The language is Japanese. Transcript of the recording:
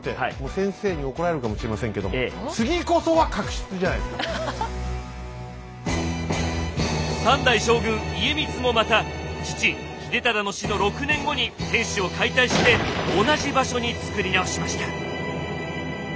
先生に怒られるかもしれませんけども３代将軍家光もまた父・秀忠の死の６年後に天守を解体して同じ場所に造り直しました。